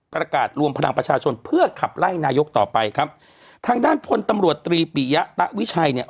ประกาศรวมพลังประชาชนเพื่อขับไล่นายกต่อไปครับทางด้านพลตำรวจตรีปิยะตะวิชัยเนี่ย